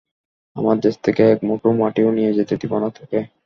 আমার দেশ থেকে এক মুঠো মাটিও নিয়ে যেতে দিব না তোকে।